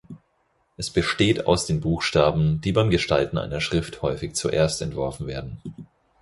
Es besteht aus den Buchstaben, die beim Gestalten einer Schrift häufig zuerst entworfen werden.